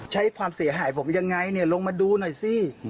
ใช้ความเสียหายผมยังไงเนี่ยลงมาดูหน่อยสิ